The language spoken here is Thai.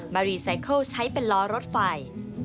รีไซเคิลใช้เป็นล้อรถไฟ